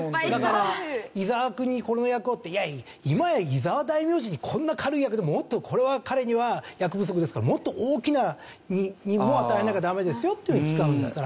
だから「伊沢くんにこの役を」って「いや今や伊沢大明神にこんな軽い役でもっとこれは彼には役不足ですからもっと大きな任務を与えなきゃダメですよ」っていうふうに使うんですから。